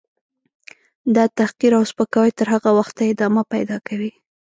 . دا تحقیر او سپکاوی تر هغه وخته ادامه پیدا کوي.